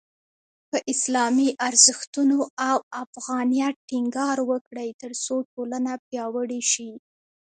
په اسلامي ارزښتونو او افغانیت ټینګار وکړئ، ترڅو ټولنه پیاوړې شي.